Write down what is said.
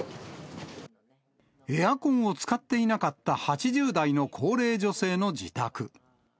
エアコンを使っていなかった８０代の高齢女性の自宅。